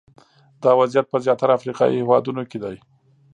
دا وضعیت په زیاتره افریقایي هېوادونو کې دی.